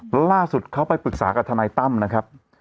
แล้วล่าสุดเขาไปปรึกษากับทนายตั้มนะครับ